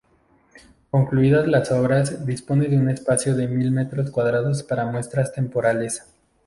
Concluidas las obras, dispone de un espacio de mil metros cuadrados para muestras temporales.